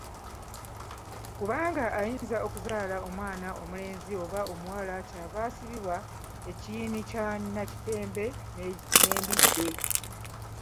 Kubanga ayinza okuzaala omwana omulenzi oba omuwala kyava asibibwa ekiyina ekya nakitembe n'embidde.